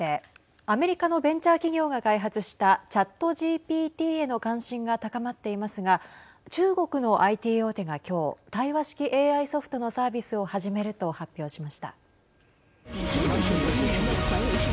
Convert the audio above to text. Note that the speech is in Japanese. アメリカのベンチャー企業が開発したＣｈａｔＧＰＴへの関心が高まっていますが中国のＩＴ大手が今日対話式ＡＩソフトのサービスを始めると発表しました。